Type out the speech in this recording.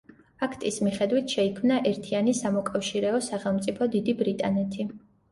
აქტის მიხედვით შეიქმნა ერთიანი სამოკავშირეო სახელმწიფო დიდი ბრიტანეთი.